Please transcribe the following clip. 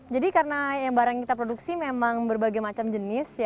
jadi karena barang yang kita produksi memang berbagai macam jenis